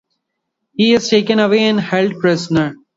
He is taken away and held prisoner.